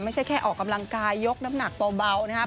ไม่ใช่แค่ออกกำลังกายยกน้ำหนักเบานะครับ